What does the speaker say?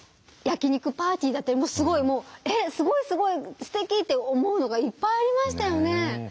焼き肉パーティーだってすごいもう「えっすごいすごいすてき！」って思うのがいっぱいありましたよね。